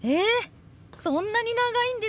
そんなに長いんですね！